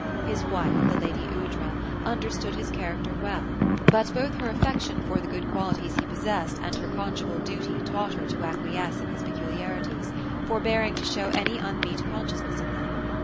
His wifip, the lady Aoudra, understood his character well ; but both .•> 228 OPHELIA ; her affection for the good qualities he possessed, and her conjugal duty taught her to acquiesce in his peculiarities, forbearing to show any un meet consciousness of them.